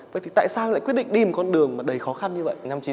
vậy thì tại sao lại quyết định đi một con đường mà đầy khó khăn như vậy